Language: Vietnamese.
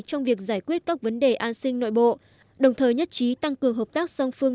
trong việc giải quyết các vấn đề an sinh nội bộ đồng thời nhất trí tăng cường hợp tác song phương